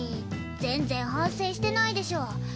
全然反省してないでしょ。